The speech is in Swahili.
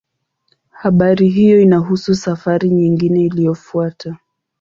Habari hiyo inahusu safari nyingine iliyofuata.